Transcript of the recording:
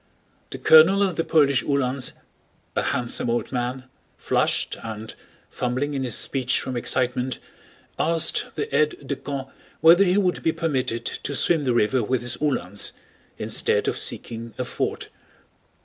The colonel of the Polish Uhlans, a handsome old man, flushed and, fumbling in his speech from excitement, asked the aide de camp whether he would be permitted to swim the river with his Uhlans instead of seeking a ford.